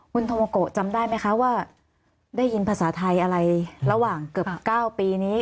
คุณโทโมโกะจำได้ไหมคะว่าได้ยินภาษาไทยอะไรระหว่างเกือบ๙ปีนี้